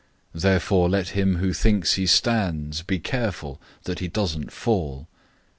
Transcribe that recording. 010:012 Therefore let him who thinks he stands be careful that he doesn't fall.